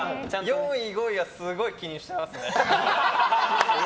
４位、５位はすごい気にしてますね。